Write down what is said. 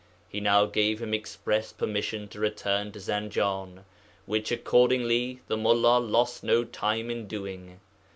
He now gave him express permission to return to Zanjan, which accordingly the Mullā lost no time in doing.